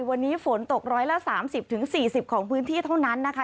วันนี้ฝนตกร้อยละสามสิบถึงสี่สิบของพื้นที่เท่านั้นนะคะ